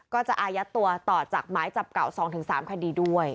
ก็จะอายัดตัวต่อจากหมายจับเก่า๒๓คดีด้วย